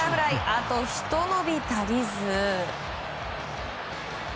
あとひと伸び足りず。